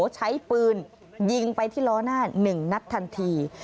ใช้ปืนยิงไปที่ล้อหน้า๑นัดทันที